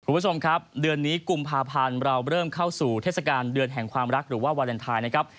คุณผู้ชมครับเดือนนี้กุมภาพันธ์เราเริ่มเข้าสู่เทศกาลเดือนแห่งความรักหรือว่าวาเลนไทยนะครับ